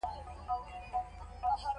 په ګدام کې دننه دا انبار پاک ساتل کېږي.